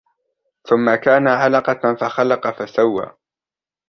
ثم كان علقة فخلق فسوى